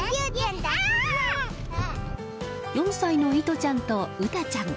４歳のいとちゃんとうたちゃん。